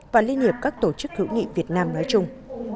và liên hiệp các tổ chức hữu nghị việt nam nói chung